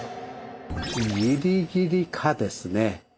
ギリギリ「可」ですね。